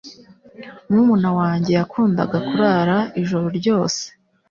Murumuna wanjye yakundaga kurara ijoro ryose.